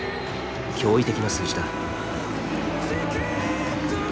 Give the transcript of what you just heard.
驚異的な数字だ。